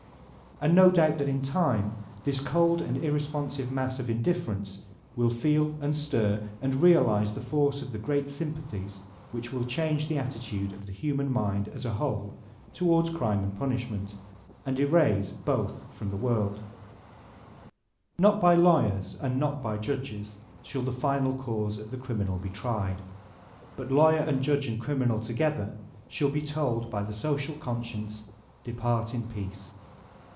And doubt not that in time this cold and ir responsive mass of indifference will feel and stir and realize the force of the great sympathies which will change the attitude of the human mind as a whole towards Crime and Punishment, and erase bodi from die workL Not by lawyers and not by judges shall the final cause of the criminal be tried ; but lawyer and judge and crim inal together shall be told by the Social Conscience, ''De part in peace."